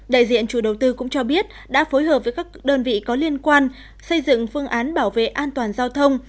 đại diện chủ đầu tư cũng cho biết đã phối hợp với các đơn vị có liên quan xây dựng phương án bảo vệ an toàn giao thông